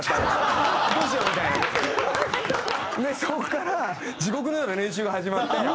そこから地獄のような練習が始まって。